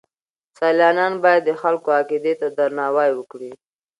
سیلانیان باید د خلکو عقیدې ته درناوی وکړي.